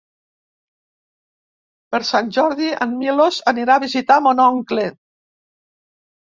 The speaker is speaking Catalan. Per Sant Jordi en Milos anirà a visitar mon oncle.